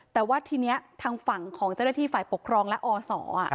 แต่ว่าที่นี้ทางด้านฝั่งของใจได้ที่ฝ่ายปกครองและอศ